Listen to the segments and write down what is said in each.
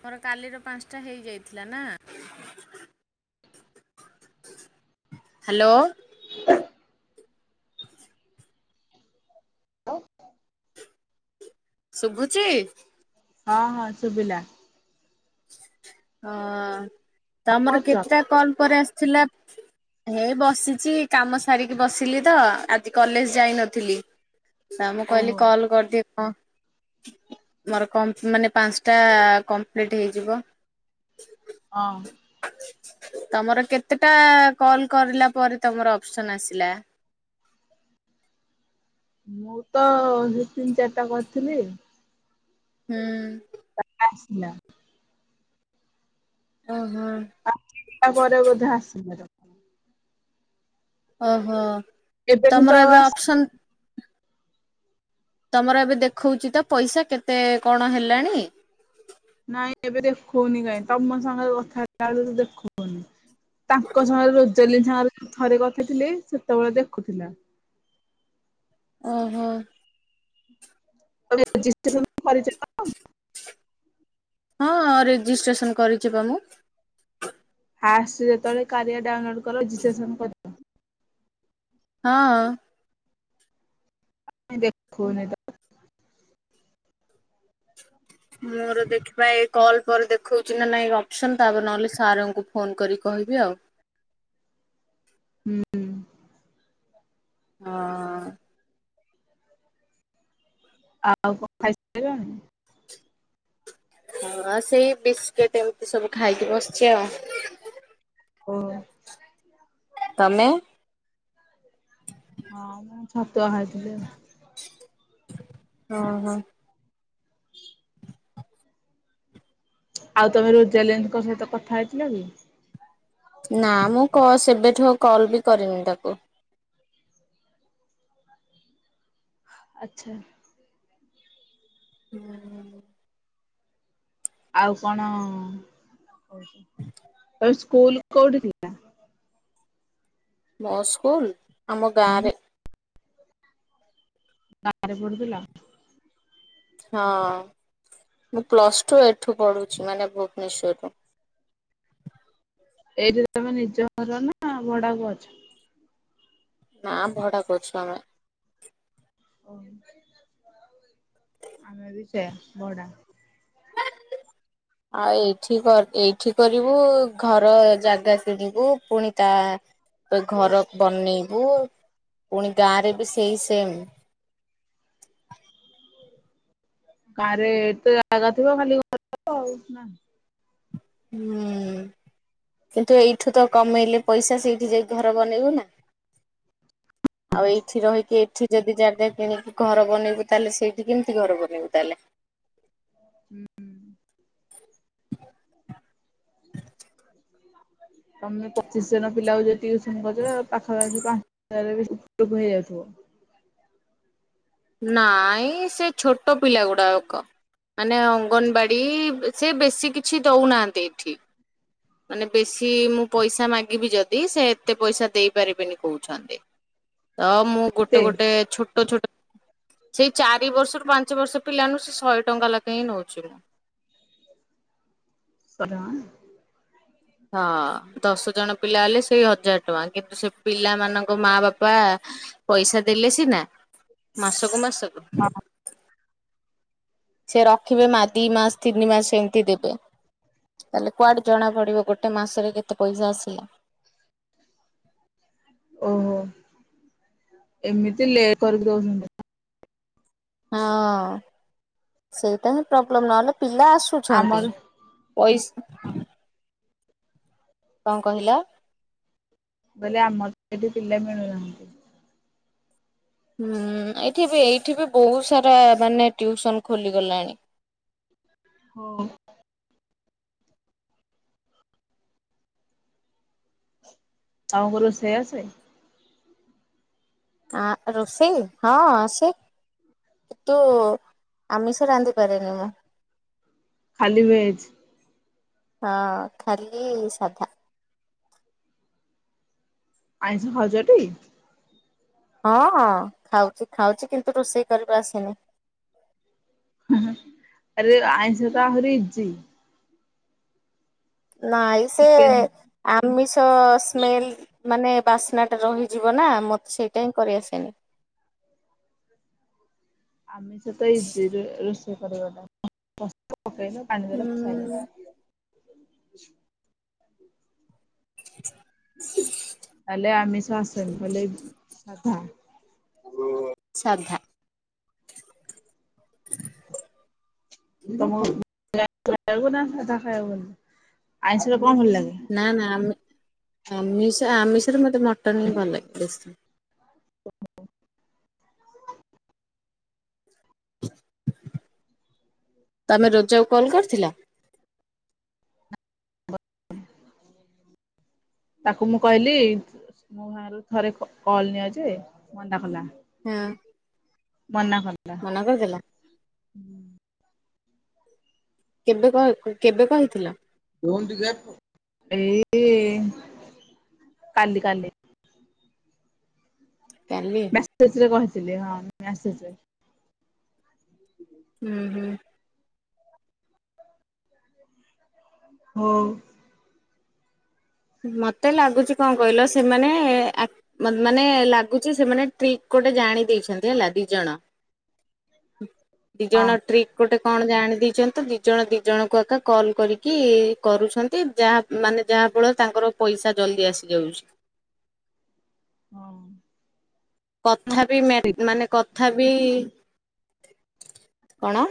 ତମର କାଲିର ପାଞ୍ଚ‌ ଟା ହେଇଯାଇଥିଲା ନା। ହାଲୋ। [inaudible] [inaudible] ଶୁଘୁଚି। ହଁ -ହଁ ଶୁବିଲା। ହଁ ତମର କେତେଟା କଲ୍ ପରେ ଆସିଥିଲା। ହେଇ ବସିଚି କାମ ସାରିକି ବସିଲି ତ ଆଜି କଲେଜ୍ ଯାଇନଥିଲି। ହଁ ମୁଁ କହିଲି ଓହୋ କଲ୍ କରିଦିଏ କଁ। ମୋର କମ୍ପ୍ ମାନେ ପାଞ୍ଚ୍ ଟା କମ୍ପ୍ଲିଟ୍ ହେଇଯିବ। ହଁ। ତମର କେତେଟା କଲ୍ କରିଲା ପରେ ତମର ଅପ୍ସନ୍ ଆସିଲା। ମୁଁ ତ ହେଇ ତିନି ଚାରିଟା କରିଥିଲି। ହୁଁ। ତାପରେ ଆସିଲା। ଓହୋ। ଆଉ ତିନିଟା ପରେ ବୋଧେ ଆସିଯିବ। ଓହୋ ଏବେ କିନ୍ତୁ ତମର ଆଉ ଏବେ ଆସ ଅପ୍ସନ୍। ତମର ଏବେ ଦେଖଉଚି ତ ପଇସା କେତେ କଣ ହେଲାଣି। ନାଇଁ ଏବେ ଦେଖଉନି କାଇଁ ତମ ସାଙ୍ଗରେ କଥା ହେଲା ବେଳକୁ ଦେଖଉନି। ତାଙ୍କ ସାଙ୍ଗେରେ ରୋଜାଲିନ ସାଙ୍ଗରେ ଥରେ କରିଥିଲି ସେତେବେଳେ ଦେଖୁଥିଲା। ଓହୋ। ତମେ ରେଜିଷ୍ଟେସନ କରିଛ ତ। ହଁ ରେଜିଷ୍ଟ୍ରେସନ କରିଚି ପା ମୁଁ। ଫାଷ୍ଟ ଯେତେବେଳେ କାରିଆ ଡାଉନଲୋଡ କଲି ରେଜିଷ୍ଟ୍ରେସନ କଲି। ହଁ। କାଇଁ ଦେଖୋଉନି ତ? ମୋର ଦେଖିବା ଏ କଲ୍ ପରେ ଦେଖୋଉଚି ନା ନାଇଁ ଅପ୍ସନ୍ ତାପରେ ନହେଲେ ସାର୍ ଙ୍କୁ ଫୋନ୍ କରିକି କହିବି ଆଉ। ହୁଁ ହୁଁ। ହଁ। ଆଉ କଣ ଖାଇସାରିଲଣି? ହଁ ଆ ସେଇ ବିସ୍କିଟି ଏମିତି ସବୁ ଖାଇକି ବସିଚି ଆଉ। କୋଉରା? ତମେ? ହଁ ମୁଁ ଛତୁଆ ଖାଇଥିଲି ଆଉ। ଓହୋ। ଆଉ ତମେ ରୋଜାଲିନ୍ ଙ୍କ ସହିତ କଥା ହେଇଥିଲ କି? ନା ମୁଁ କ-ସେବେଠୁ କଲ୍ ବି କରିନି ତାକୁ। ଆଚ୍ଛା। ହୁଁ। ଆଉ କଣ କହିଲି କୋଉ ସ୍କୁଲ କୋଉଠି କି? ମୋ ସ୍କୁଲ ଆମ ଗାଁ ରେ। ଗାଁରେ ପଡୁଥିଲା? ହଁ ମୁଁ ପ୍ଲସ୍ ଟୁ ଏଠୁ ପଢୁଛି ମାନେ ଭୁବନେଶ୍ୱର ରୁ ଏଇଠି ତମେ ନିଜ ଘର ନା ଭଡା କୁ ଅଛ? ନା ଭଡା କୁ ଅଛୁ ଆମେ। ଓହୋ ଆମେ ବି ସେୟା ଭଡ଼ା। [inaudible] ଆଉ ଏଇଠି ଏଇଠି କରିବୁ ଘର ଜାଗା କିଣିକି ଫୁଣି ତା ତ ଘର ବନେଇବୁ ପୁଣି ଗାଁ ରେ ବି ସେଇ ସେମ୍ ଗାଁରେ ଏତେ ଜାଗା ଥିବ ଖାଲି ଘର କରିବ ଆଉ ନାଁ। ହୁଁ। କିନ୍ତୁ ଏଇଠୁ ତ କମେଇଲେ ପଇସା ସେଇଠି ଯାଇ ଘର ବନେଇବନା। ଆଉ ଏଇଠି ରହିକି ଏଇଠି ଯଦି ଜାଗା କିଣିକି ଘର ବନେଇବୁ ତାହେଲେ ସେଇଠି କେମିତି ଘର ବନେଇବୁ ତାହେଲେ? ହୁଁ ହୁଁ। ତମେ ପଚିଶି ଜଣ ପିଲା ଯଦି ଟଉସନ କରିଚ ପାଖା ପାଖୀ ପା [unintelligible] ନାଇଁ ସେ ଛୋଟ ପିଲା ଗୁଡାକ ମାନେ ଅଙ୍ଗନବାଡ଼ି ସେ ବେଶୀ କିଛି ଦେଉନାହାନ୍ତି ଏଠି। ମାନେ ବେଶୀ ମୁଁ ପଇସା ମାଗିବି ଯଦି ସେ ଏତେ ପଇସା ଦେଇ ପାରିବେନି କହୁଛନ୍ତି। ତ ମୁଁ କେତେ ଗୋଟେ ଗୋଟେ ଛୋଟ ଛୋଟ ସେଇ ଚାରି ବର୍ଷରୁ ପାଞ୍ଚ ବର୍ଷ ପିଲାମାନୁ ସେ ଶହେ ଟଙ୍କା ଲେଖା ହିଁ ନୋଉଛି ମୁଁ। ପାରିବା ଆଉ ନାହିଁ? ହଁ ଦଶ ଜଣ ପିଲା ହେଲେ ସେଇ ହଜାର ଟଙ୍କା କିନ୍ତୁ ସେ ପିଲା ମାନଙ୍କ ତାଙ୍କ ମା ବାପା ପଇସା ଦେଲେ ସିନା ମାସକୁ ମାସକୁ ହଁ। ସେ ରଖିବେ ମା ଦି ମାସ ତିନି ମାସ ଏମିତି ଦେବେ। ତାହେଲେ କୁଆଡେ ଜଣା ପଡିବ ଗୋଟେ ମାସରେ କେତେ ପଇସା ଆସିଲା। ଓହୋ ଏମିତି ଲେ କରିକି ଦଉଛନ୍ତି। ହଁ ସେଇଟାଇ ହିଁ ପ୍ରୋବ୍ଲେମ୍ ନହେଲେ ପିଲା ଆସୁଛନ୍ତି। ଆମର ପଇସ ହଁ କଣ କହିଲ? ମୁଁ କହିଲି ଆମର ଏଠି ପିଲା ମିଳୁ ନାହାଁନ୍ତି। ହୁଁ ଏଠି ବି ଏଇଠି ବି ବହୁତ୍ ସାରା ମାନେ ଟ୍ୟୁସନ୍ ଖୋଲିଗଲାଣି। ହଁ। ତମ କୁ ରୋଷେଇ ଅସେ? ଆଁ ରୋଷେଇ ହଁ ଆସେ। କିନ୍ତୁ ଆମିଷ ରାନ୍ଧି ପାରେନି ମୁଁ। ଖାଲି ଭେଜ୍? ହଁ ଖାଲି ସାଧା। ଆଇଁଷ ଖାଉଚ ଟି? ହଁ ଖାଉଛି ଖାଉଛି କିନ୍ତୁ ରୋଷେଇ କରିବା ଆସିନି। ହୁଁ ହୁଁ ଆରେ ଆଇଁଷ ତ ଆହୁରି ଇଜି। ନାଇଁ ସେ ଚିକେନ୍ ଆମିଷ ସ୍ମେଲ୍ ମାନେ ବାସ୍ନା ଟା ରହିଯିବ ନା ମତେ ସେଇଟା ହିଁ କରିଆସେନି। ଆମିଷ ତ ଇଜି ରେ ରୋଷେଇ କରିବା ଟା ମସଲା ପକେଇଲେ ପାଣି ଦେଲ ହୁଁ ସଇଲା। [inaudible] ତାହାଲେ ଆମିଷ ଆସେନି ଖାଲି ସାଧ। ସାଧା। [inaudible] [unintelligible] ସାଧା ଖାଇବାକୁ ଭଲ ଲାଗେ ଆଇଁଷ ସରେ କଣ ଭଲ ଲାଗେ? ନା ନା ଆମି ଆମିଷ ଆମିଷରେ ମୋତେ ମଟନ୍ ହିଁ ଭଲ ଲାଗେ ବେଶି। [unintelligible] ତମେ ରୋଜାକୁ କଲ୍ କରିଥିଲ? ତାକୁ ମୁଁ କହିଲି [unintelligible] ମୋ ଭାରୁ ଥରେ କ କଲ୍ ନିଅ ଯେ ମନା କଲା। ହୁଁ। ମନା କଲା। ଆଗଦେଲା? କେବେ କହେ କ କେବେ କହିଥିଲ? ନଉନୁ ଟିକେ ଏଇ କାଲି କାଲି। କାଲି? ମ୍ୟାସେଜ୍ ରେ କହିଥିଲେ ହଁ ମ୍ୟାସେଜ ରେ। [unintelligible] ହୁଁ ହୁଁ। ହଁ। ମତେ ଲାଗୁଛି କଣ କହିଲ ସେମାନେ ଆକ୍ ମ ମାନେ ଲାଗୁଚି ସେମାନେ ଟ୍ରିକ୍ ଗୋଟେ ଜାଣି ଦେଇଛନ୍ତି ହେଲା ଦି ଜଣ [unintelligible] ଦି ହଁ ଜଣ ଟ୍ରିକ୍ ଗୋଟେ କଣ ଜାଣି ଦେଇଛନ୍ତି ଦିଜଣ ଦି ଜଣଙ୍କୁ ଆକା କଲ୍ କରିକି କରୁଛନ୍ତି ଯାହା ମାନେ ଯାହା କେବଳ ତାଙ୍କର ପଇସା ଜଲଦି ଆସିଯାଉଛି। ହଁ। କଥା ବି ମେ ମାନେ କଥା ବି କଣ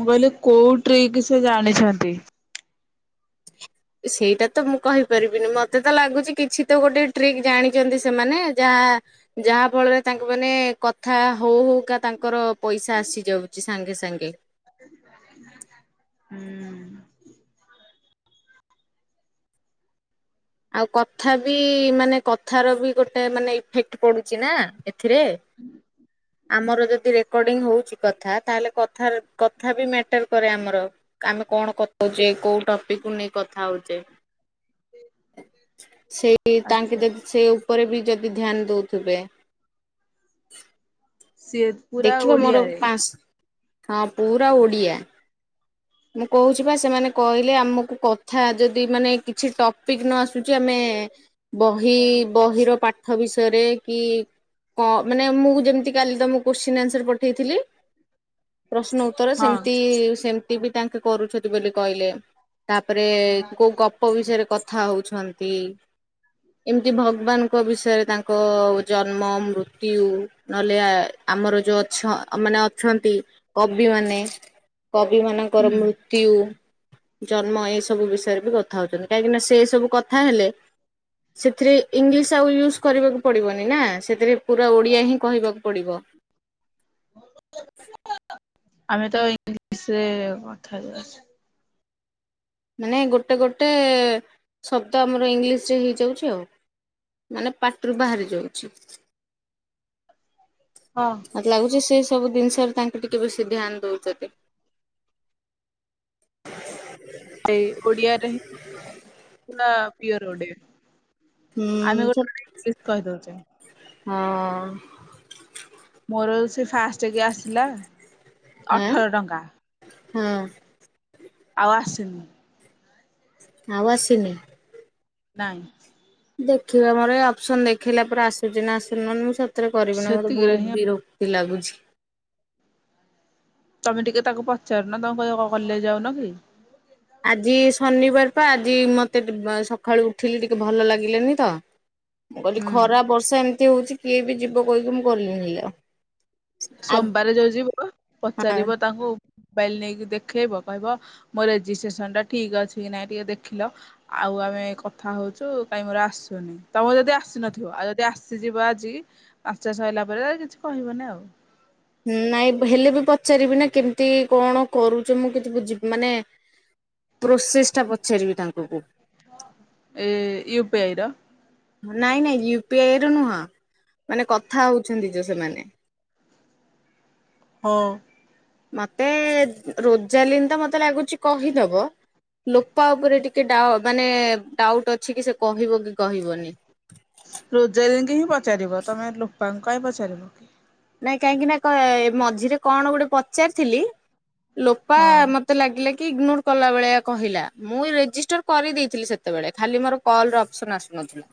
ମୁଁ କହିଲି କୋଉ ଟ୍ରିକ୍ ସେ ଜାଣିଛନ୍ତି? ସେଇଟା ତ ମୁଁ କହିପାରିବିନି ମତେ ତ ଲାଗୁଛି କିଛି ତ ଗୋଟେ ଟ୍ରିକ୍ ଜାଣିଛନ୍ତି ସେମାନେ। ଯାହା ଯାହା ଫଳରେ ତାଙ୍କ ମାନେ କଥା ହଉ ହଉ କା ତାଙ୍କର ପଇସା ଆସିଯାଉଚି ସାଙ୍ଗେ ସାଙ୍ଗେ। ହୁଁ। ଆଉ କଥା ବି ମାନେ କଥାର ବି ଗୋଟେ ମାନେ ଇଫେକ୍ଟ ପଡୁଚି ନା। ଏଥିରେ ଆମର ଯଦି ରେକର୍ଡିଙ୍ଗ ହଉଛି କଥା ତାହେଲେ କଥା କଥା ବି ମ୍ୟାଟର କରେ ଆମର। ଆମେ କଣ କଥା ହୋଉଛେ କୋଉ ଟପିକ୍ କୁ ନେଇ କଥା ହଉଛେ। ସେଇ ତାଙ୍କେ ଆଚ୍ଛା ଯଦି ସେ ଉପରେ ବି ଯଦି ଧ୍ୟାନ ଦଉଥିବେ। ସିଏ ପୁରା ଦେଖିବ ମୋର ଓଡିଆରେ ପାଞ୍ଚ ହଁ ପୁରା ଓଡିଆ। ମୁଁ କହୁଛି ବା ସେମାନେ କହିଲେ ଆମକୁ କଥା ଯଦି ମାନେ କିଛି ଟପିକ୍ ନ ଆସୁଛି ଆମେ ବହି ବହିର ପାଟ ପାଠ ବିଷୟରେ କି କଣ ମାନେ ମୁଁ ଯେମିତି କାଲି ତମକୁ କୋଶ୍ଚିନ୍ ଆନ୍ସର ପଠେଇଥିଲି ପ୍ରଶ୍ନ ଉତ୍ତର ହଁ। ସେମିତି ସେଏମ୍ ସମିତି ବି ତାଙ୍କେ କରୁଛନ୍ତି ବୋଲି କହିଲେ ତାପରେ କୋଉ କୋଉ ବିଷୟରେ କଥା ହୋଉଛନ୍ତି? ଏମିତି ଭଗବାନଙ୍କ ବିଷୟରେ ତାଙ୍କ ଜନ୍ମ ମୃତ୍ୟୁ ନହେଲେ ଆମର ଯୋଉ ଅଛ ମାନେ ଅଛନ୍ତି କବି ମାନେ କବି ମାନଙ୍କର ହୁଁ ମୃ ତ୍ୟୁ ଜନ୍ମ ଏ ସବୁ ବିଷୟରେ ବି କଥା ହଉଛନ୍ତି କାହିଁକି ନା ସେ ସବୁ କଥା ହେଲେ। ସେଥିରେ ଇଂଲିଶ ଆଉ ୟୁଜ୍ କରିବାକୁ ପଡିବନି ନା ସେଥିରେ ପୁରା ଓଡ଼ିଆ ହିଁ କହିବାକୁ ପଡିବ। ଆମେ ତ ଇଂଲିଶରେ କଥା ହେଇଯାଉଚେ। ମାନେ ଗୋଟେ ଗୋଟେ ଶବ୍ଦ ଆମର ଇଂଲିଶ ରେ ହେଇଯାଉଚ଼ି ଆଉ। ମାନେ ପାଟିରୁ ବାହାରି ଯାଉଛି। ହଁ। ମତେ ଲାଗୁଛି ସେ ସବୁ ଜିନିଷରେ ତାଙ୍କେ ଟିକେ ବେଶୀ ଧ୍ୟାନ ଦଉଛନ୍ତି। ସେ ଓଡିଆରେ ହିଁ ପୁରା ପିଓର ଓଡିଆ। ଆମେ ହୁଁ ଗୋଟେ ଗୋଟେ ଇଂଲିଶ କହିଦୋଉଛେ। ହଁ। ମୋର ସେ ଫାଷ୍ଟ କି ଆସିଲା ଅଠର ଟଙ୍କା। ହଁ। ଆଉ ଆସୁନି। ଆଉ ଆସିନି? ନାଇଁ। ଦେଖିବା ମୋର ଏଇ ଅପସନ ଦେଖେଇଲା ପରେ ଆସୁଛି ନା ଆସୁନା ନହେଲେ ମୁଁ ସତରେ କରିବିନି ମତେ ସେତିକିରେ ବହୁତ ହିଁ ବିର କ୍ତୀ ଲାଗୁଛି। ତମେ ଟିକେ ତାକୁ ପଚାରୁନ ତମ କହିବ କଣ କଲେଜ ଯାଉନ କି? ଆଜି ଶନିବାର ପା ଆଜି ମତେ ଟି ସକାଳୁ ଉଠିଲି ଟିକେ ଭଲ ଲାଗିଲେନି ତ। ମୁଁ କହିଲି ହୁଁ ଖରା ବର୍ଷା ଏମିତି ହଉଛି କିଏ ବି ଯିବ କହିକି ମୁଁ ଗଲିନି ହେଲା। ସୋମବାର ଯୋଉ ଯିବ ହଁ। ପଚାରିବ ତାଙ୍କୁ ମୋବାଇଲି ନେଇକି ଦେଖେଇବ କହିବ ମୋ ରେଜିଷ୍ଟ୍ରେସନ ଟା ଠିକ ଅଛି କି ନାଇଁ ଟିକେ ଦେଖିଲ? ଆଉ ଆମେ କଥା ହଉଛୁ କାଇହିଁ ମୋର ଆସୁନି ତମେ ଯଦି ଆସିନଥିବ ଆଉ ଯଦି ଆସିଯିବ ଆଜି ଆଚା ସଇଲା ପରେ କିଛି କହିବନି ଆଉ। ନାଇଁ ହେଲେବି ପଚାରିବି ନା କେମିତି କଣ କରୁଛ ମୁଁ କିଛି ବୁଝି ମାନେ ପ୍ରୋସେସ୍ ଟା ପଚାରିବି ତାଙ୍କୁକୁ। ଏ ୟୁପିଆଇ ର? ନାଇଁ ନାଇଁ ୟୁପିଆଇ ର ନୁହଁ ମାନେ କଥା ହଉଛନ୍ତି ଯୋଉ ସେମାନେ। [inaudible] ହଁ। ମତେ ରୋଜାଲିନ୍ ତ ମତେ ଲାଗୁଛି କହିଦବ। ଲୋପା ଉପରେ ଟିକେ ଡାଉ ମାନେ ଡାଉଟ୍ ଅଛି କି ସେ କହିବ କି କହିବନି? ରୋଜାଲିନ୍ କୁ ହିଁ ପଚାରିବ ତମେ ଲୋପାଙ୍କୁ କାଇଁ ପଚାରିବ କି? ନାଇଁ କାହିଁକି ନା କ ମଝିରେ କଣ ଗୋଟେ ପଚାରିଥିଲି ଲୋପା ହଁ ମ ମତେ ଲାଗିଲା କି ଇଗ୍ନୋର କଲା ଭଳିଆ କହିଲା ମୁଁ ରେଜିଷ୍ଟର କରିଦେଇଥିଲି ସେତେବେଳେ ଖାଲି ମୋର କଲ୍ ର ଅପସନ୍ ଆସୁନଥିଲା।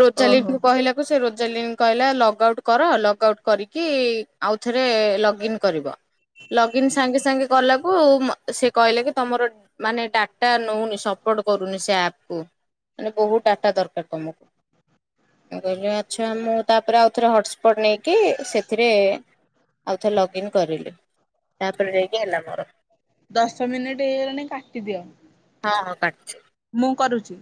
ରୋଜାଲିନ୍ ଓହୋ କୁ କହିଲାକୁ ସେ ରୋଜାଲି କହିଲା ଲଗଉଟ୍ କର ଲଗ୍ ଆଉଟ୍ କରିକି ଆଉଥରେ ଲଗଇନ୍ କରିବ। ଲଗ୍ଇନ୍ ସାଙ୍ଗେ ସାଙ୍ଗେ କଲାକୁ ସେ କହିଲେ କି ତମର ମାନେ ଡାଟା ନଉନି ସପୋର୍ଟ କରୁନି ସେ ଆପକୁୁ। ମାନେ ବହୁତ୍ ଡାଟା ଦରକାର ତମକୁ ମୁଁ କହିଲି ଆଚ୍ଛା ମୁଁ ତାପରେ ଆଉଥରେ ହ ହସ୍ପଟ୍ ନେଇକି ସେଥିରେ ଆଉଥରେ ଲଗ୍ଇନ୍ କରିଲି। ତାପରେ ଯାଇକି ହେଲା ମୋର। ଦଶ ମିନିଟ୍ ହେଇଗଲାଣି କାଟିଦିଅ। ହଁ ହଁ କାଟୁଛି। ମୁଁ କରୁଛି?